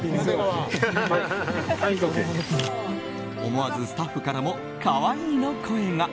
思わずスタッフからも可愛いの声が。